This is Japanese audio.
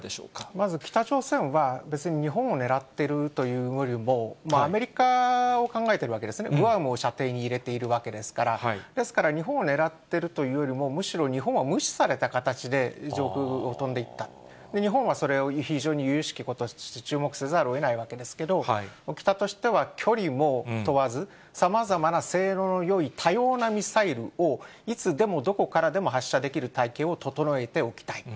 まず北朝鮮は、別に日本を狙ってるというよりも、アメリカを考えてるわけですね、グアムを射程に入れているわけですから、ですから日本を狙ってるというよりも、むしろ日本は無視された形で、上空を飛んでいった。日本はそれを非常に由々しきこととして注目せざるをえないわけですけれども、北としては距離も問わず、さまざまな性能のよい多様なミサイルをいつでも、どこからでも発射できる体系を整えていきたい。